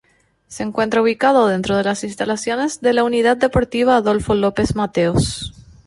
Se encuentra ubicado dentro de las instalaciones de la Unidad Deportiva Adolfo López Mateos.